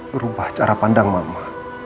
berubah cara pandang mama